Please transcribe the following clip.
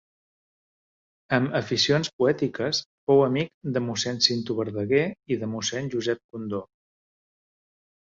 Amb aficions poètiques, fou amic de Mossèn Cinto Verdaguer i de Mossèn Josep Condó.